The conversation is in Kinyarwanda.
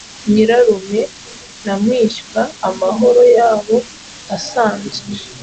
Nyirarume na mwishywa amahoro yabo asanzwe